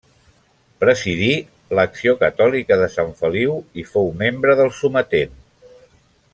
Presidí l'Acció Catòlica de Sant Feliu i fou membre del Sometent.